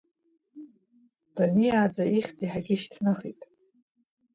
Даниааӡа, ихьӡ иаҳагьы ишьҭнахит.